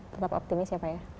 tetap optimis ya pak ya